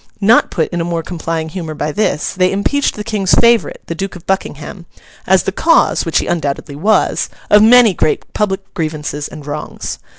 Not put in a more complying humour by this, they impeached the King's favourite, the Duke of Buckingham, as the cause (which he undoubtedly was) of many great public grievances and wrongs.